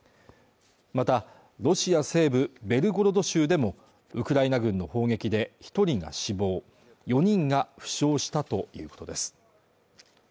またロシア西部ベルゴロド州でもウクライナ軍の砲撃で一人が死亡４人が負傷したということです